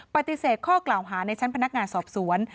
ปฏิเสธข้อกล่าวหาในชั้นพนักงานสอบสวน